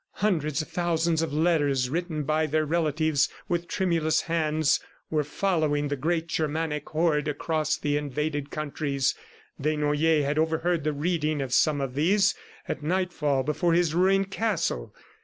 Hundreds of thousands of letters, written by their relatives with tremulous hands, were following the great Germanic horde across the invaded countries. Desnoyers had overheard the reading of some of these, at nightfall before his ruined castle.